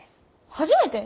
初めて？